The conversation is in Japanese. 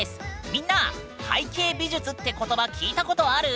みんな「背景美術」って言葉聞いたことある？